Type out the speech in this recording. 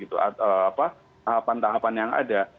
tahapan tahapan yang ada